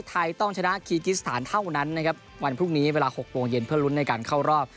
ไทยต้องชนะคีกิสถานเท่านั้นนะครับวันพรุ่งนี้เวลา๖โมงเย็นเพื่อลุ้นในการเข้ารอบ